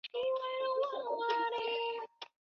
玉造是日本千叶县成田市下辖的一个町。